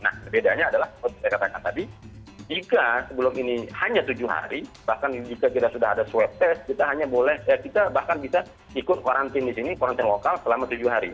nah perbedaannya adalah seperti saya katakan tadi jika sebelum ini hanya tujuh hari bahkan jika kita sudah ada swab test kita hanya boleh kita bahkan bisa ikut karantina lokal selama tujuh hari